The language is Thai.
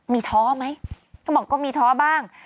มีท้อไหมเขาบอกก็มีท้อบ้าง